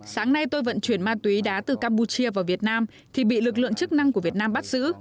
sáng nay tôi vận chuyển ma túy đá từ campuchia vào việt nam thì bị lực lượng chức năng của việt nam bắt giữ